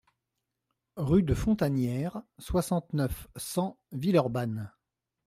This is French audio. Rue de Fontanières, soixante-neuf, cent Villeurbanne